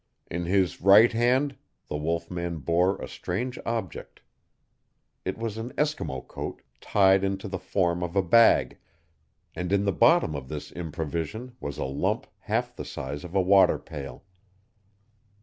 In his right hand the wolf man bore a strange object. It was an Eskimo coat, tied into the form of a bag, and in the bottom of this improvision was a lump half the size of a water pail.